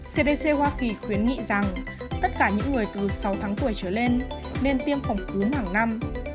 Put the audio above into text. cdc hoa kỳ khuyến nghị rằng tất cả những người từ sáu tháng tuổi trở lên nên tiêm phòng cúm hàng năm